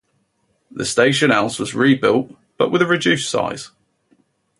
The station-house was rebuilt but with a reduced size.